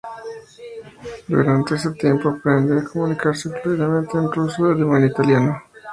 Durante ese tiempo aprende a comunicarse fluidamente en ruso, alemán e italiano.